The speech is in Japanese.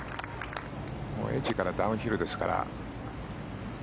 エッジからダウンヒルですから。